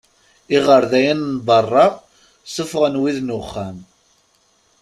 Iɣerdayen n berra ssuffɣen wid n uxxam.